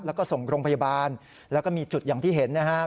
แล้วก็ส่งโรงพยาบาลแล้วก็มีจุดอย่างที่เห็นนะฮะ